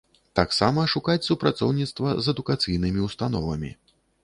Таксама шукаць супрацоўніцтва з адукацыйнымі ўстановамі.